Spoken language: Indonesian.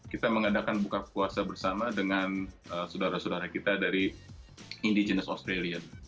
kita mengadakan buka puasa bersama dengan saudara saudara kita dari indigenous australia